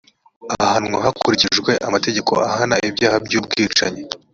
ahanwa hakurikijwe amategeko ahana ibyaha by’ubwicanyi